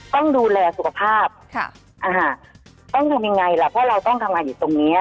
ต้องดูแลสุขภาพยิ่งอย่างไรแหละเพราะเราต้องทำอย่างอยู่ตรงนี้